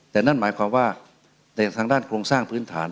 แต่นั่นหมายความว่าแต่ทางด้านโครงสร้างพื้นฐาน